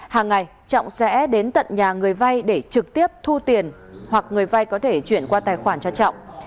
hàng ngày trọng sẽ đến tận nhà người vay để trực tiếp thu tiền hoặc người vay có thể chuyển qua tài khoản cho trọng